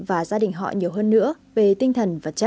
và gia đình họ nhiều hơn nữa